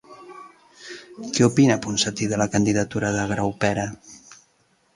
Què opina Ponsatí de la candidatura de Graupera?